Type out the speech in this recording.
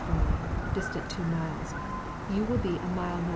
from jou, distant 2 miles, you will be a mile N.W.